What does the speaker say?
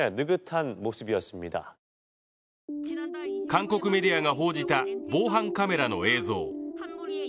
韓国メディアが報じた防犯カメラの映像。